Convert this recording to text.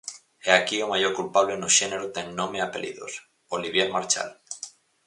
E aquí o maior culpable no xénero ten nome e apelidos: Olivier Marchal.